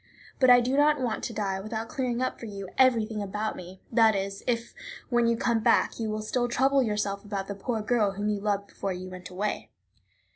But I do not want to die without clearing up for you everything about me; that is, if, when you come back, you will still trouble yourself about the poor girl whom you loved before you went away.